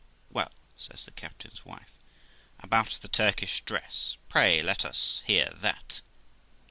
'Well', says the captain's wife, 'about the Turkish dress ; pray let us hear that.'